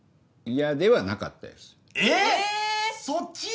嫌ではなかったです